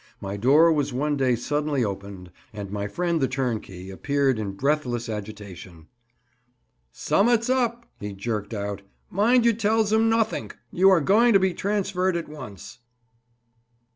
My door was one day suddenly opened, and my friend the turnkey appeared in breathless agitation. "Summat's up," he jerked out; "mind you tells em nothink. You're going to be transferred at once."